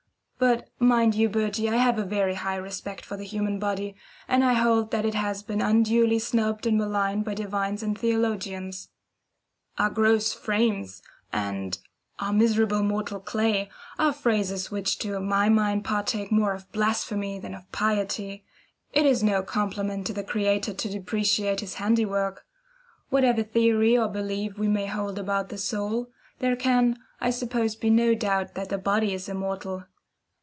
But, mind you, Bertie, I have a very high respect for the human body, and I hold that it has been unduly snubbed and maligned by divines and theologians: "our gross frames" and "our miserable mortal clay" are phrases which to my mind partake more of blasphemy than of piety. It is no compliment to the Creator to depreciate His handiwork. Whatever theory or belief we may hold about the soul, there can, I suppose, be no doubt that the body is immortal.